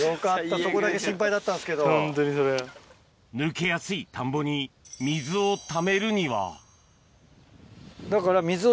抜けやすい田んぼに水をためるにはだから。